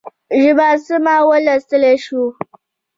ژبه سمه ولوستلای شو.